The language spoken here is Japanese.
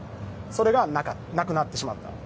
それがなくなってしまった。